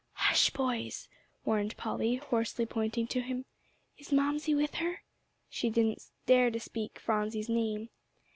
"Hush, boys," warned Polly, hoarsely pointing to him; "is Mamsie with her?" She didn't dare to speak Phronsie's name.